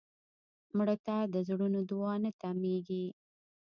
مړه ته د زړونو دعا نه تمېږي